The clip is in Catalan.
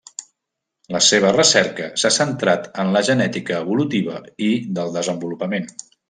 La seva recerca s'ha centrat en la genètica evolutiva i del desenvolupament.